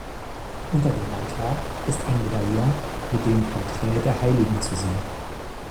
Unter dem Altar ist ein Medaillon mit dem Porträt der Heiligen zu sehen.